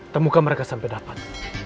temukan mereka sampai dapat